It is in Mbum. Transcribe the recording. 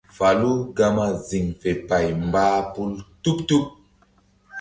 Falu gama ziŋ fe pay mbah pum tuɓ-tuɓ.